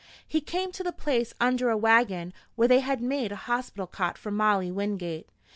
He came to the place under a wagon where they had made a hospital cot for Molly Wingate.